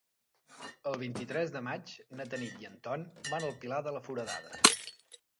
El vint-i-tres de maig na Tanit i en Ton van al Pilar de la Foradada.